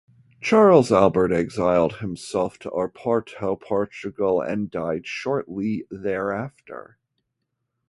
Charles Albert exiled himself to Oporto, Portugal, and died shortly thereafter.